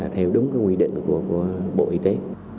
theo đúng quy định của bộ y tế